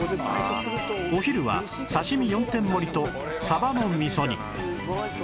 お昼は刺身４点盛りとサバの味噌煮